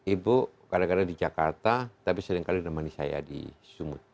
ibu kadang kadang di jakarta tapi sering kali menemani saya di sumut